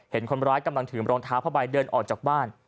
เห็นคนร้ายกำลังถือรองเท้าผ้าใบเดินออกจากบ้าน